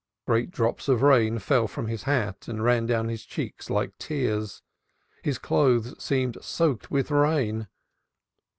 Great drops of rain fell from his hat and ran down his cheeks like tears. His clothes seemed soaked with rain.